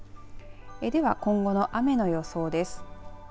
では今後の雨の予想です。